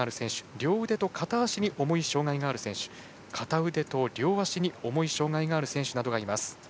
両腕と片足に重い障がいがある選手片腕と両足に重い障がいがある選手などがいます。